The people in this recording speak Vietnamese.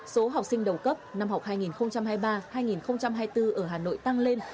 số học sinh đầu cấp năm học hai nghìn hai mươi ba hai nghìn hai mươi bốn ở hà nội tăng lên